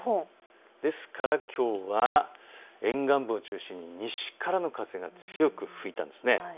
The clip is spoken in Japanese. ですから、きょうは沿岸部を中心に西からの風が強く吹いたんです。